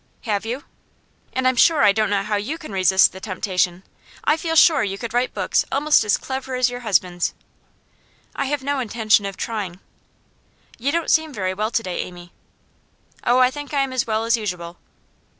'Have you?' 'And I'm sure I don't know how you can resist the temptation. I feel sure you could write books almost as clever as your husband's.' 'I have no intention of trying.' 'You don't seem very well to day, Amy.' 'Oh, I think I am as well as usual.